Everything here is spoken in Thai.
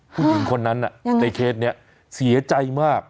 พูดถึงคนนั้นไอเคสนี้เสียใจมาก